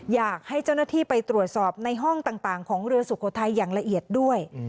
อยากให้เจ้าหน้าที่ไปตรวจสอบในห้องต่างของเรือสุโขทัยอย่างละเอียดด้วย